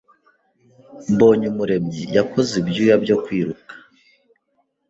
Mbonyumuremyi yakoze ibyuya byo kwiruka.